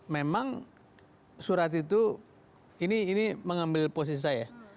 memang surat itu ini mengambil posisi saya